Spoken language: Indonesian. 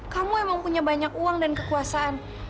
kamu emang punya banyak uang dan kekuasaan